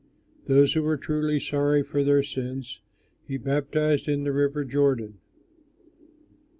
Those who were truly sorry for their sins, he baptized in the river Jordan.